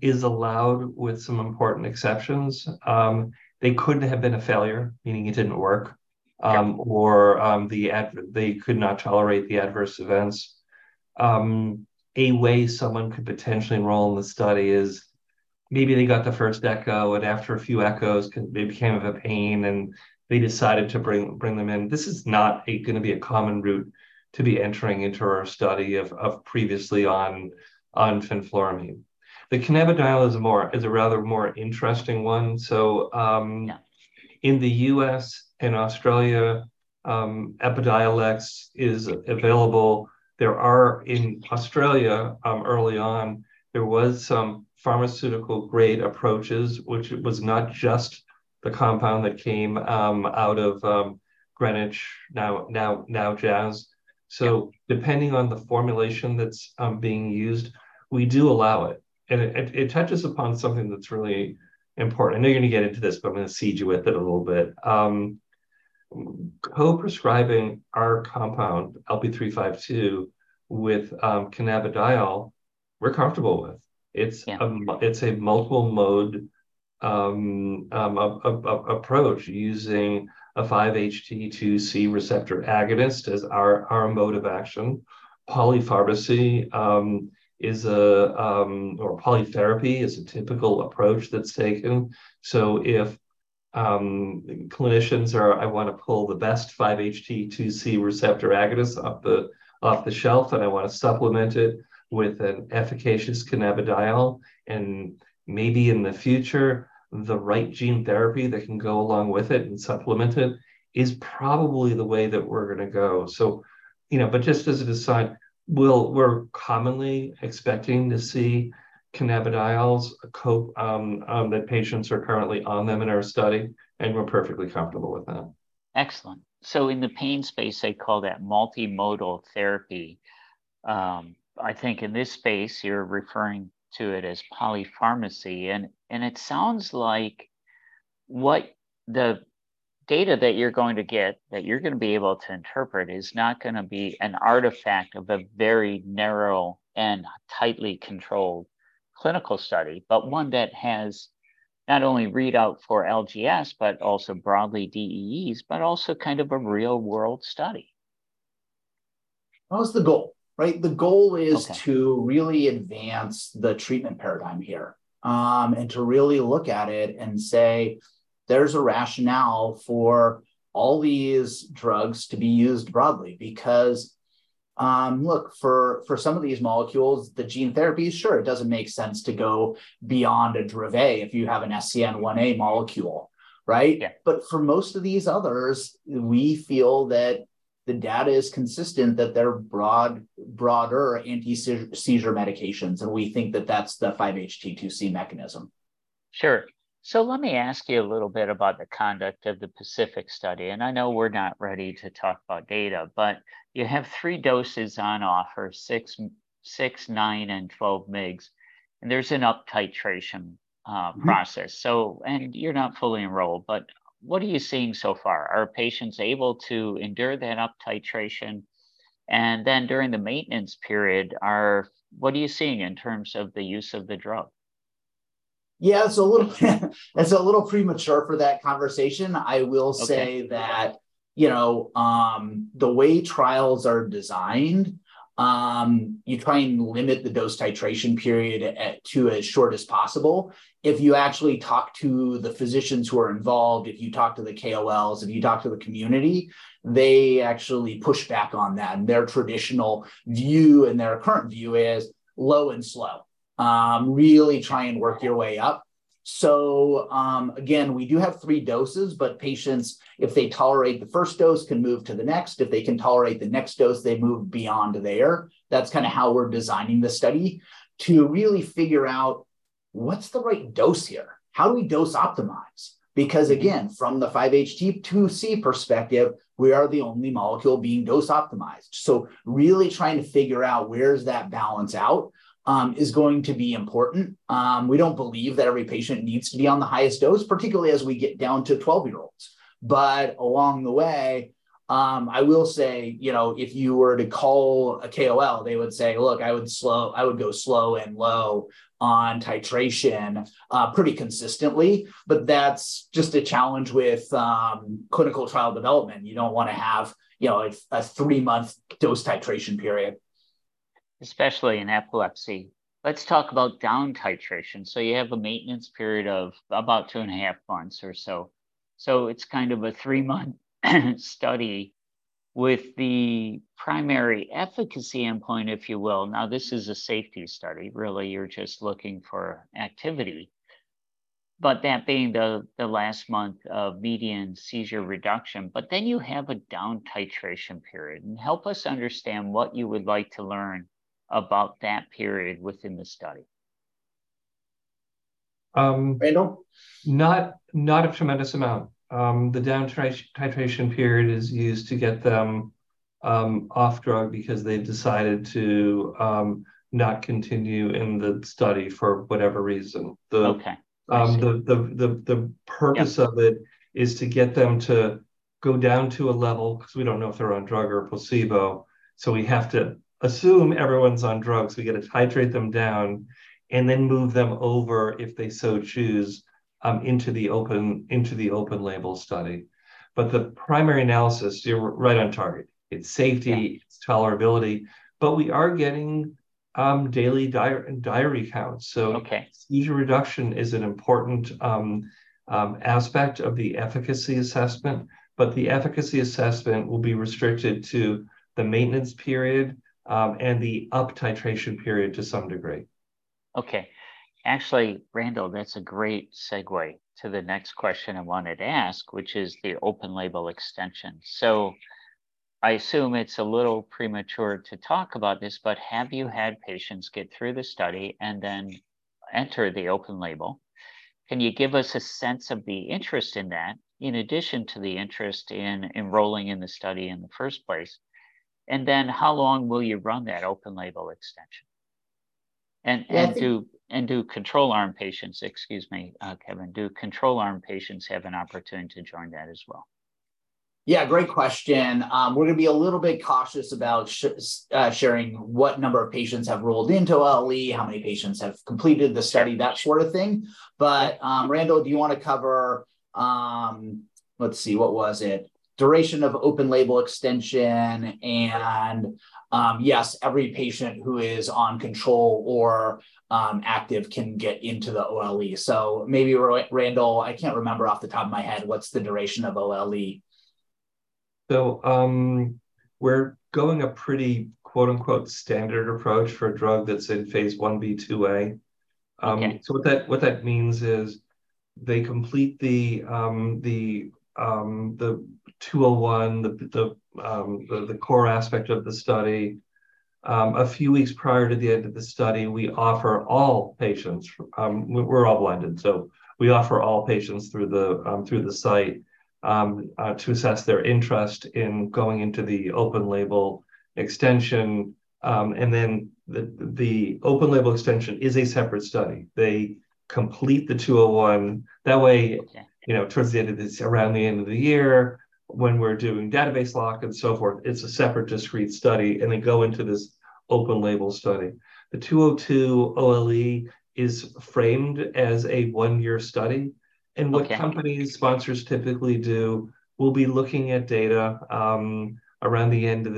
is allowed, with some important exceptions. They could have been a failure, meaning it didn't work.
Yeah
or they could not tolerate the adverse events. A way someone could potentially enroll in the study is, maybe they got the first echo, and after a few echoes, they became of a pain, and they decided to bring them in. This is not gonna be a common route to be entering into our study of previously on fenfluramine. The cannabidiol is a rather more interesting one.
Yeah
in the U.S. and Australia, Epidiolex is available. There are, in Australia, early on, there was some pharmaceutical-grade approaches, which was not just the compound that came out of Greenwich, now Jazz.
Yeah.
Depending on the formulation that's being used, we do allow it. It touches upon something that's really important. I know you're gonna get into this, but I'm gonna seed you with it a little bit. Co-prescribing our compound, LP352, with cannabidiol, we're comfortable with.
Yeah.
It's a multiple mode of approach, using a 5-HT2C receptor agonist as our mode of action. Polypharmacy is a or polytherapy is a typical approach that's taken. If clinicians are, "I wanna pull the best 5-HT2C receptor agonist off the shelf, and I wanna supplement it with an efficacious cannabidiol," and maybe in the future, the right gene therapy that can go along with it and supplement it, is probably the way that we're gonna go. You know, just as an aside, we're commonly expecting to see cannabidiols that patients are currently on them in our study, and we're perfectly comfortable with that.
Excellent. In the pain space, they call that multimodal therapy. I think in this space, you're referring to it as polypharmacy, it sounds like what the data that you're going to get, that you're gonna be able to interpret, is not gonna be an artifact of a very narrow and tightly controlled clinical study, but one that has not only readout for LGS, but also broadly DEEs, but also kind of a real-world study.
Well, that's the goal, right? The goal.
Okay
to really advance the treatment paradigm here, and to really look at it and say, "There's a rationale for all these drugs to be used broadly." Because, look, for some of these molecules, the gene therapy, sure, it doesn't make sense to go beyond a Dravet if you have an SCN1A molecule, right?
Yeah.
For most of these others, we feel that the data is consistent, that they're broader anti-seizure medications, and we think that that's the 5-HT2C mechanism.
Sure. Let me ask you a little bit about the conduct of the PACIFIC Study. I know we're not ready to talk about data, but you have 3 doses on offer: 6, 9, and 12 mgs, and there's an up titration process.
Mm-hmm.
You're not fully enrolled, but what are you seeing so far? Are patients able to endure that up titration? During the maintenance period, what are you seeing in terms of the use of the drug?
Yeah, it's a little premature for that conversation.
Okay.
I will say that, you know, the way trials are designed, you try and limit the dose titration period at, to as short as possible. If you actually talk to the physicians who are involved, if you talk to the KOLs, if you talk to the community, they actually push back on that. Their traditional view, and their current view, is low and slow. Really try and work your way up.
Yeah.
Again, we do have 3 doses, but patients, if they tolerate the first dose, can move to the next. If they can tolerate the next dose, they move beyond there. That's how we're designing the study, to really figure out what's the right dose here? How do we dose optimize? Again, from the 5-HT2C perspective, we are the only molecule being dose optimized. Really trying to figure out where's that balance out is going to be important. We don't believe that every patient needs to be on the highest dose, particularly as we get down to 12-year-olds. Along the way, you know, if you were to call a KOL, they would say, "Look, I would go slow and low on titration," pretty consistently. That's just a challenge with clinical trial development. You don't want to have, you know, a 3-month dose titration period.
Especially in epilepsy. Let's talk about down titration. You have a maintenance period of about two and a half months or so. It's kind of a three-month study with the primary efficacy endpoint, if you will. This is a safety study. Really, you're just looking for activity. That being the last month of median seizure reduction, you have a down titration period. Help us understand what you would like to learn about that period within the study.
Um-
Randall?
Not a tremendous amount. The down titration period is used to get them off drug because they decided to not continue in the study for whatever reason.
Okay. I see....
Um, the, the, the, the purpose-
Yep
of it is to get them to go down to a level, because we don't know if they're on drug or a placebo, so we have to assume everyone's on drugs. We get to titrate them down, and then move them over, if they so choose, into the open-label study. The primary analysis, you're right on target. It's safety.
Yeah...
it's tolerability, we are getting, daily diary counts.
Okay
Seizure reduction is an important aspect of the efficacy assessment. The efficacy assessment will be restricted to the maintenance period and the up titration period to some degree.
Okay. Actually, Randall, that's a great segue to the next question I wanted to ask, which is the open-label extension. I assume it's a little premature to talk about this, but have you had patients get through the study and then enter the open-label? Can you give us a sense of the interest in that, in addition to the interest in enrolling in the study in the first place? How long will you run that open-label extension?
And-
Excuse me, Kevin, do control arm patients have an opportunity to join that as well?
Yeah, great question. We're going to be a little bit cautious about sharing what number of patients have rolled into OLE, how many patients have completed the study.
Yeah...
that sort of thing. Randall, do you want to cover... Let's see, what was it? Duration of open-label extension and, yes, every patient who is on control or active can get into the OLE. Maybe, Randall, I can't remember off the top of my head, what's the duration of OLE?
We're going a pretty, quote-unquote, "standard approach" for a drug that's in Phase 1b/2a.
Okay
What that means is they complete the LP352-201, the core aspect of the study. A few weeks prior to the end of the study, we offer all patients, we're all blinded, so we offer all patients through the site to assess their interest in going into the open-label extension. The open-label extension is a separate study. They complete the LP352-201. That way-
Okay...
you know, towards the end of this, around the end of the year, when we're doing database lock and so forth, it's a separate, discrete study, and they go into this open-label study. The LP352-202 OLE is framed as a one-year study.
Okay.
What company sponsors typically do. We'll be looking at data around the end of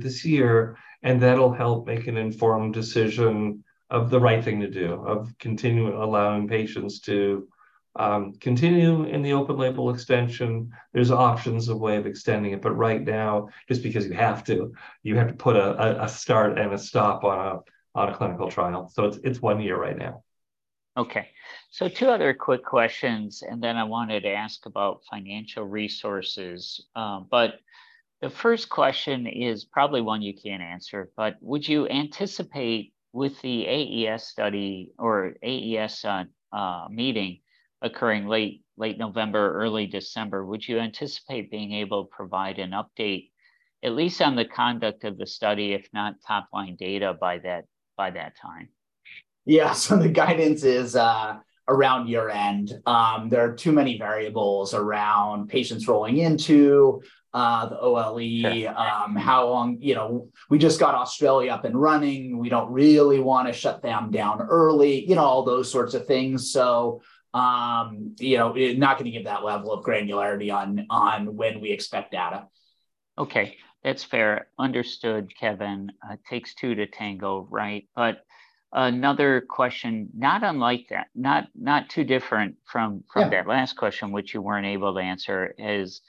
this year. That'll help make an informed decision of the right thing to do, of continuing allowing patients to continue in the open-label extension. There's options of way of extending it. Right now, just because you have to put a start and a stop on a clinical trial. It's one year right now.
Two other quick questions, and then I wanted to ask about financial resources. The first question is probably one you can't answer, but would you anticipate, with the AES study or AES meeting occurring late November, early December, would you anticipate being able to provide an update, at least on the conduct of the study, if not top-line data, by that time?
Yeah. The guidance is around year-end. There are too many variables around patients rolling into the OLE-.
Yeah...
how long, you know, we just got Australia up and running. We don't really want to shut them down early, you know, all those sorts of things. You know, we're not going to give that level of granularity on when we expect data.
Okay, that's fair. Understood, Kevin. Takes two to tango, right? another question, not unlike that, not too different from.
Yeah...
that last question, which you weren't able to answer, is,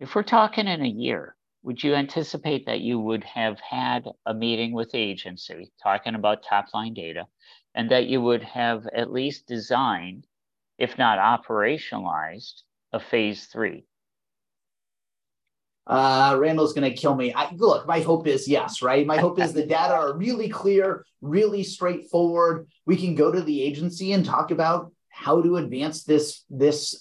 if we're talking in a year, would you anticipate that you would have had a meeting with the agency, talking about top-line data, and that you would have at least designed, if not operationalized, a phase 3?
Randall's gonna kill me. Look, my hope is yes, right? My hope is the data are really clear, really straightforward. We can go to the agency and talk about how to advance this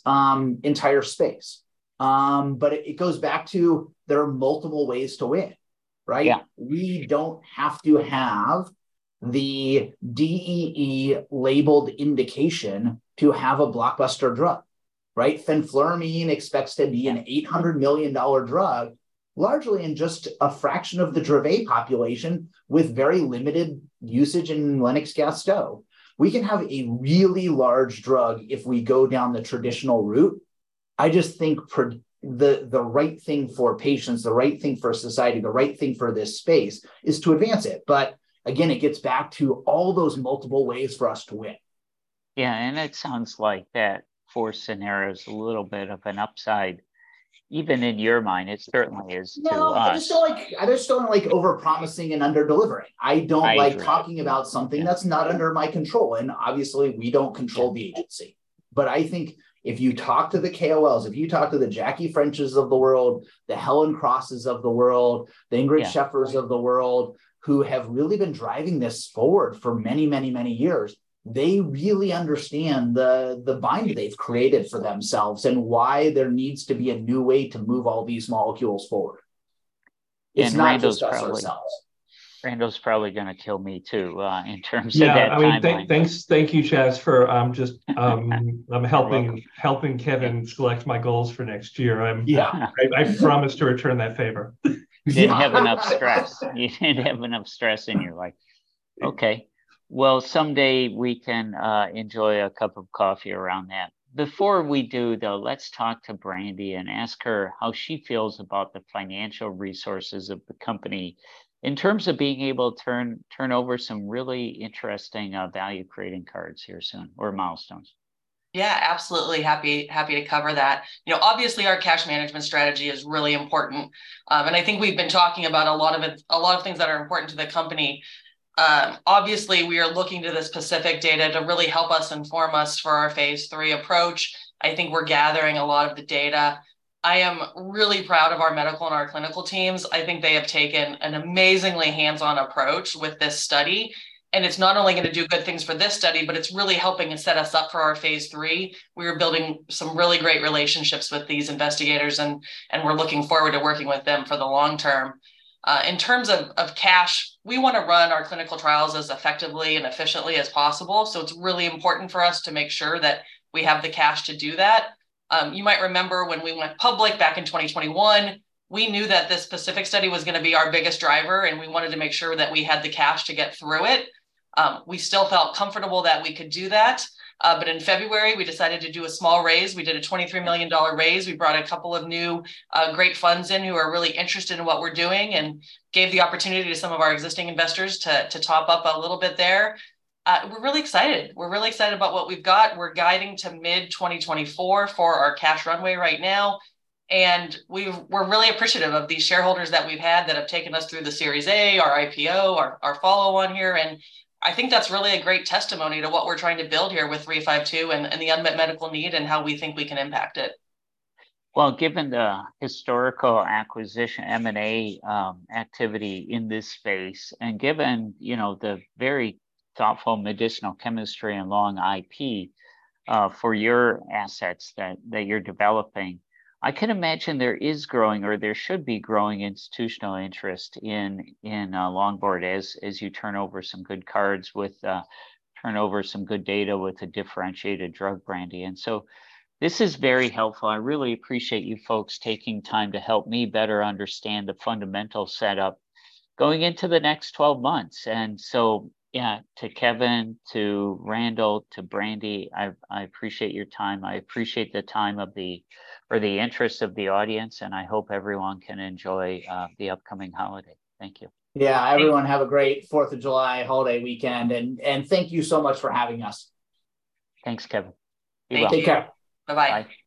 entire space. It goes back to there are multiple ways to win, right?
Yeah.
We don't have to have the DEE-labeled indication to have a blockbuster drug, right? Fenfluramine expects to be an $800 million drug, largely in just a fraction of the Dravet population, with very limited usage in Lennox-Gastaut. We can have a really large drug if we go down the traditional route. I just think the right thing for patients, the right thing for society, the right thing for this space, is to advance it. Again, it gets back to all those multiple ways for us to win.
Yeah, it sounds like that fourth scenario is a little bit of an upside, even in your mind. It certainly is to us.
Well, I just don't like over-promising and under-delivering.
I agree.
I don't like talking about something that's not under my control, and obviously, we don't control the agency.
Yeah.
I think if you talk to the KOLs, if you talk to the Jacqueline French of the world, the Helen Cross of the world...
Yeah...
the Ingrid Scheffer of the world, who have really been driving this forward for many, many, many years, they really understand the bind they've created for themselves, and why there needs to be a new way to move all these molecules forward. It's not just us.
Randall's probably gonna kill me, too, in terms of that timeline.
Yeah. I mean, thank you, Chaz, for just.
You're welcome.
I'm helping Kevin select my goals for next year.
Yeah.
I promise to return that favor.
You didn't have enough stress. You didn't have enough stress in your life. Okay. Well, someday we can enjoy a cup of coffee around that. Before we do, though, let's talk to Brandi and ask her how she feels about the financial resources of the company in terms of being able to turn over some really interesting value-creating cards here soon, or milestones.
Absolutely. Happy to cover that. You know, obviously, our cash management strategy is really important. I think we've been talking about a lot of things that are important to the company. Obviously, we are looking to the specific data to really help us inform us for our Phase 3 approach. I think we're gathering a lot of the data. I am really proud of our medical and our clinical teams. I think they have taken an amazingly hands-on approach with this study. It's not only gonna do good things for this study, but it's really helping us set us up for our Phase 3. We are building some really great relationships with these investigators, and we're looking forward to working with them for the long term. In terms of cash, we wanna run our clinical trials as effectively and efficiently as possible. It's really important for us to make sure that we have the cash to do that. You might remember when we went public back in 2021, we knew that this specific study was gonna be our biggest driver. We wanted to make sure that we had the cash to get through it. We still felt comfortable that we could do that. In February, we decided to do a small raise. We did a $23 million raise. We brought a couple of new, great funds in, who are really interested in what we're doing, and gave the opportunity to some of our existing investors to top up a little bit there. We're really excited. We're really excited about what we've got. We're guiding to mid-2024 for our cash runway right now. We're really appreciative of the shareholders that we've had that have taken us through the Series A, our IPO, our follow-on here. I think that's really a great testimony to what we're trying to build here with 352, and the unmet medical need, and how we think we can impact it.
Well, given the historical acquisition, M&A, activity in this space, and given, you know, the very thoughtful medicinal chemistry and long IP, for your assets that you're developing, I can imagine there is growing, or there should be growing institutional interest in Longboard as you turn over some good cards with turn over some good data with a differentiated drug, Brandi. This is very helpful. I really appreciate you folks taking time to help me better understand the fundamental setup going into the next 12 months. Yeah, to Kevin, to Randall, to Brandi, I appreciate your time. I appreciate the time of the or the interest of the audience, and I hope everyone can enjoy the upcoming holiday. Thank you.
Yeah.
Thanks.
Everyone, have a great Fourth of July holiday weekend, and thank you so much for having us.
Thanks, Kevin. Be well.
Take care.
Bye-bye.
Bye.